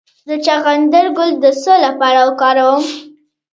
د چغندر ګل د څه لپاره وکاروم؟